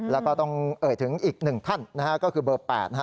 แล้วก็ต้องเอ่ยถึงอีกหนึ่งท่านนะฮะก็คือเบอร์๘นะฮะ